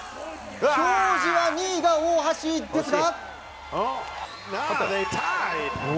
表示は２位が大橋ですが。